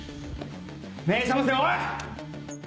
目ぇ覚ませおい！